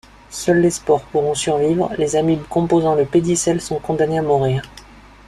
Seuls les spores pourront survivre, les amibes composant le pédicelle sont condamnées à mourir.